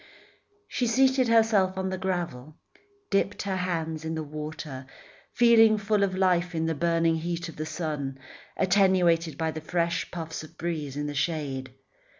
She seated herself on the gravel, dipped her hands in the water, feeling full of life in the burning heat of the sun, attenuated by the fresh puffs of breeze in the shade.